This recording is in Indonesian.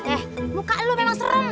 eh muka lu memang serem